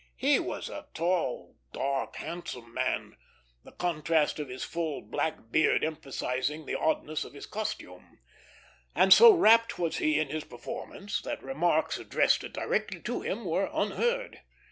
He was a tall, dark, handsome man, the contrast of his full black beard emphasizing the oddness of his costume; and so rapt was he in his performance that remarks addressed directly to him were unheard.